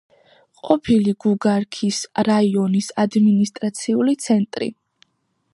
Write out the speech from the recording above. ყოფილი გუგარქის რაიონის ადმინისტრაციული ცენტრი.